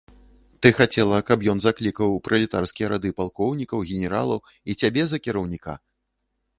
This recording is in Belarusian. Ты хацела, каб ён заклікаў у пралетарскія рады палкоўнікаў, генералаў і цябе за кіраўніка?